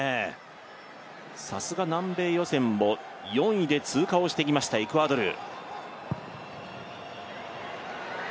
さすが、南米予選を４位通過してきましたエクアドル。